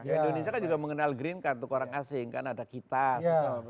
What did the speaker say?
indonesia kan juga mengenal green card untuk orang asing kan ada kitas